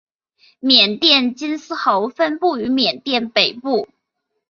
缅甸金丝猴分布于缅甸北部。